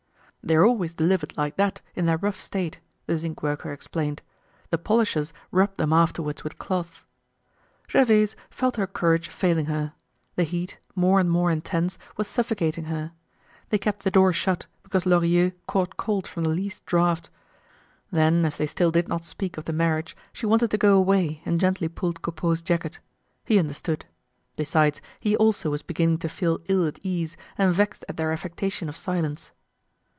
"They're always delivered like that, in their rough state," the zinc worker explained. "The polishers rub them afterwards with cloths." Gervaise felt her courage failing her. The heat, more and more intense, was suffocating her. They kept the door shut, because Lorilleux caught cold from the least draught. Then as they still did not speak of the marriage, she wanted to go away and gently pulled Coupeau's jacket. He understood. Besides, he also was beginning to feel ill at ease and vexed at their affectation of silence.